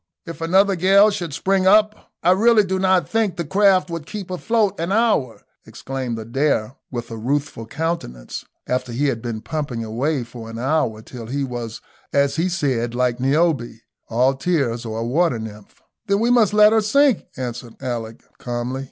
"If another gale should spring up, I really do not think the craft would keep afloat an hour," exclaimed Adair, with a ruthful countenance, after he had been pumping away for an hour, till he was, as he said, like Niobe, all tears, or a water nymph. "Then we must let her sink," answered Alick, calmly.